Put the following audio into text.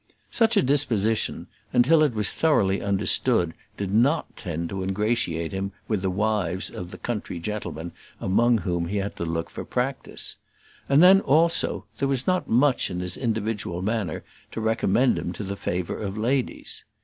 Such a disposition, until it was thoroughly understood, did not tend to ingratiate him with the wives of the country gentlemen among whom he had to look for practice. And then, also, there was not much in his individual manner to recommend him to the favour of ladies.